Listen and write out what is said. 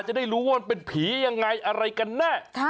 จะได้รู้ว่ามันเป็นผียังไงอะไรกันแน่